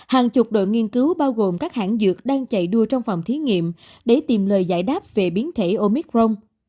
hàng chục đội nghiên cứu bao gồm các hãng dược đang chạy đua trong phòng thí nghiệm để tìm lời giải đáp về biến thể omicron